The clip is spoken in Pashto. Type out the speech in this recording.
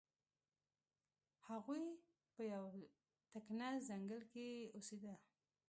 هغوی په یو تکنه ځنګل کې اوسیده.